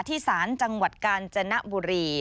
ที่สารจังหวัดกาญจนบุรี